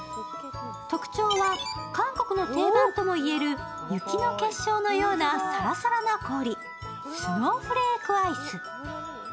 特徴は韓国の定番とも言える、雪の結晶のようなさらさらな氷、スノーフレークアイス。